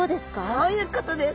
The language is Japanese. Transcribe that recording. そういうことです。